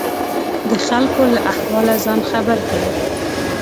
د خلکو له احواله ځان خبر کړي.